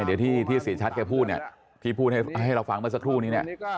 เดี๋ยวที่เสียชัดแค่พูดพี่พูดให้เราฟังมาสักครู่นี้